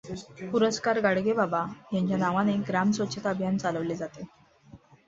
पुरस्कार गाडगेबाबा यांच्या नावाने ग्राम स्वच्छता अभियान चालवले जाते.